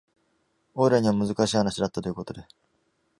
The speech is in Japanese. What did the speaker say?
オイラには難しい話だったということで